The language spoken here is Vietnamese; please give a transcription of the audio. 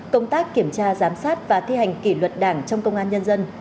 công tác kiểm tra giám sát và thi hành kỷ luật đảng trong công an nhân dân